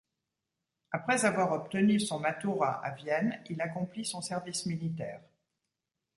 Après avoir obtenu son matura à Vienne, il accomplit son service militaire.